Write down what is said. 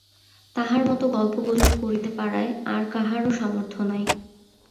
তাঁহার মতো গল্পগুজব করিতে পাড়ায় আর কাহারো সামর্থ্য নাই।